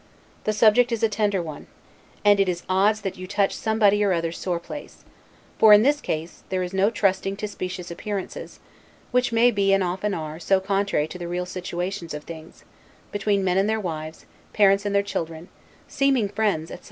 The subject is a tender one: and it is odds but that you touch somebody or other's sore place: for, in this case, there is no trusting to specious appearances; which may be, and often are, so contrary to the real situations of things, between men and their wives, parents and their children, seeming friends, etc.